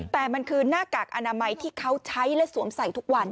แต่มันคือหน้ากากอนามัยที่เขาใช้และสวมใส่ทุกวัน